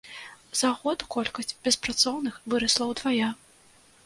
За год колькасць беспрацоўных вырасла ўдвая.